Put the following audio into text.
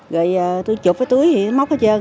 rồi tôi chụp cái túi móc hết trơn